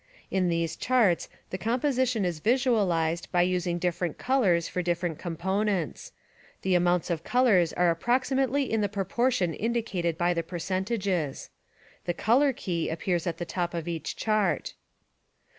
In these charts the composition is visualized by using different colors for different components. The amounts of colors are approximately in the proportion indicated by the percentages. The color key appears at the top of each chart.